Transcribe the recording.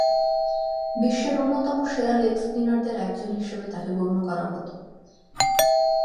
বিশ্বের অন্যতম সেরা লেগ স্পিনারদের একজন হিসেবে তাকে গণ্য করা হতো।